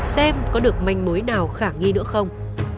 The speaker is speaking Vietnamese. xem có được manh mối nào khả nghi nữa không